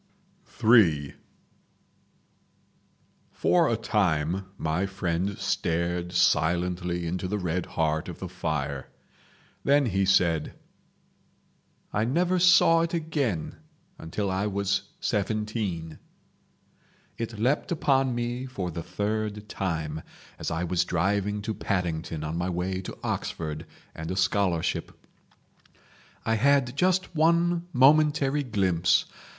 III For a time my friend stared silently into the red heart of the fire. Then he said: "I never saw it again until I was seventeen. "It leapt upon me for the third time—as I was driving to Paddington on my way to Oxford and a scholarship. I had just one momentary glimpse.